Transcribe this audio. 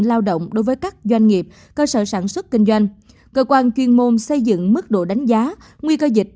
lao động đối với các doanh nghiệp cơ sở sản xuất kinh doanh cơ quan chuyên môn xây dựng mức độ đánh giá nguy cơ dịch